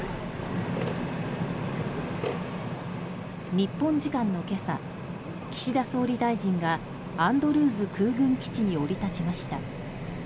日本時間の今朝岸田総理大臣がアンドルーズ空軍基地に降り立ちました。